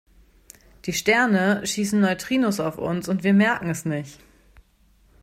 Die Sterne schießen Neutrinos auf uns und wir merken es nicht.